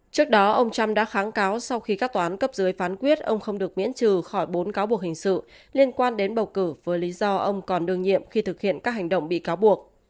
trước đó ông trump đã kháng cáo sau khi các toán cấp dưới phán quyết ông không được miễn trừ khỏi bốn cáo buộc hình sự liên quan đến bầu cử với lý do ông còn đương nhiệm khi thực hiện các hành động bị cáo buộc